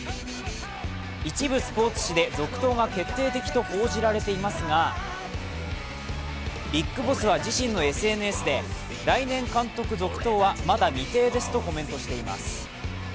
一部スポーツ紙で続投が決定的と報じられていますがＢＩＧＢＯＳＳは自身のＳＮＳで来年監督続投は、まだ未定ですとコメントしています。